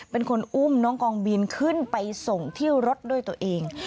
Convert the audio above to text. เป็นคนอุ้มน้องกองบินขึ้นไปส่งที่รถด้วยตัวเอง